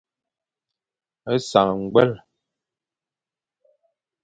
Sañ ñgwel.